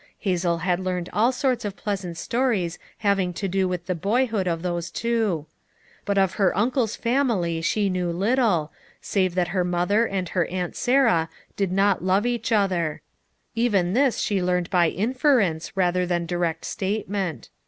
Hazel had heard all sorts of pleasant stories having to do with the boyhood of those two; but of her uncle's family she knew little, save that her mother and her Aunt Sarah did not love each, other; even this she learned by inference, rather than direct statement.